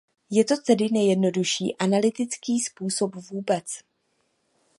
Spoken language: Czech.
Je to tedy nejjednodušší analytický způsob vůbec.